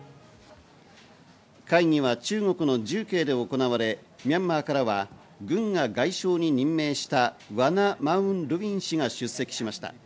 会議は中国の重慶で行われ、ミャンマーからは軍が外相に任命したワナ・マウン・ルウィン氏が出席しました。